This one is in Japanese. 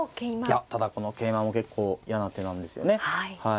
いやただこの桂馬も結構嫌な手なんですよね。